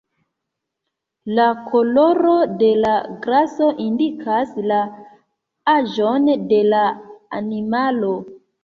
La koloro de la graso indikas la aĝon de la animalo.